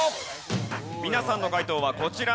皆さんの解答はこちら。